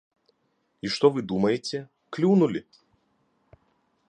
І што вы думаеце, клюнулі.